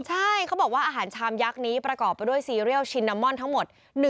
ใช่เขาบอกว่าอาหารชามยักษ์นี้ประกอบไปด้วยซีเรียลชินนามอนทั้งหมด